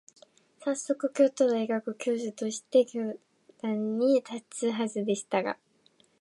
さっそく、京都大学教授として教壇に立つはずでしたが、